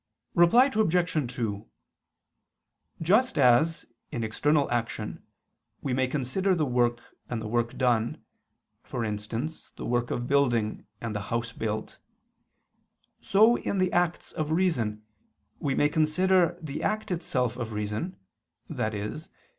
Reply Obj. 2: Just as, in external action, we may consider the work and the work done, for instance the work of building and the house built; so in the acts of reason, we may consider the act itself of reason, i.e.